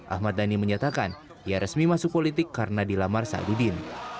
ahmad dhani menyatakan ia resmi masuk politik karena dilamar saidudin